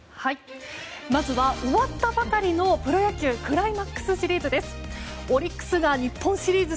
まずは終わったばかりのプロ野球クライマックスシリーズ。